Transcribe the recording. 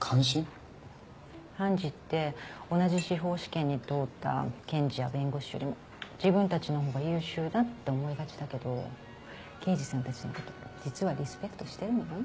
判事って同じ司法試験に通った検事や弁護士よりも自分たちのほうが優秀だって思いがちだけど刑事さんたちの事実はリスペクトしてるのよ。